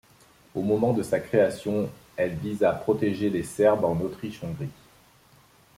Au moment de sa création, elle vise à protéger les Serbes en Autriche-Hongrie.